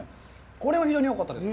これは非常によかったです。